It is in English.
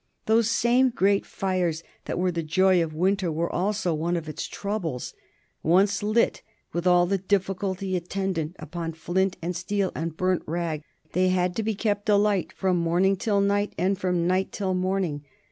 Those same great fires that were the joy of winter were also one of its troubles. Once lit, with all the difficulty attendant upon flint and steel and burnt rag, they had to be kept alight from morning till night and from night till morning.